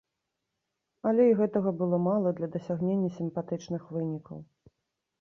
Але і гэтага было мала для дасягнення сімпатычных вынікаў.